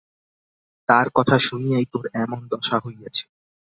তার কথা শুনিয়াই তোর এমন দশা হইয়াছে।